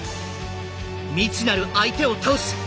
未知なる相手を倒す！